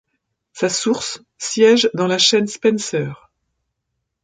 Sa source siège dans la chaîne Spenser.